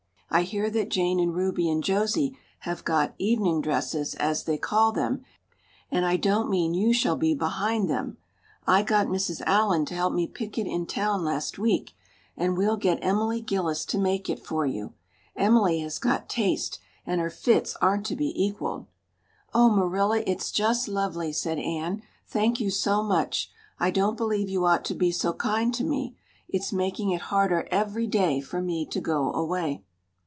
I hear that Jane and Ruby and Josie have got 'evening dresses,' as they call them, and I don't mean you shall be behind them. I got Mrs. Allan to help me pick it in town last week, and we'll get Emily Gillis to make it for you. Emily has got taste, and her fits aren't to be equaled." "Oh, Marilla, it's just lovely," said Anne. "Thank you so much. I don't believe you ought to be so kind to me it's making it harder every day for me to go away."